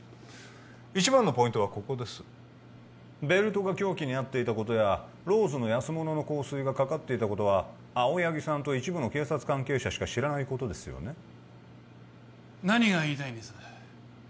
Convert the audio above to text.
一番のポイントはここですベルトが凶器になっていたことやローズの安物の香水がかかっていたことは青柳さんと一部の警察関係者しか知らないことですよね何が言いたいんです？